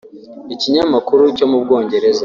ikinyamakuru cyo mu Bwongereza